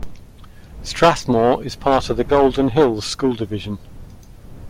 Strathmore is part of the Golden Hills School Division.